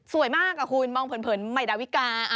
มากคุณมองเผินใหม่ดาวิกา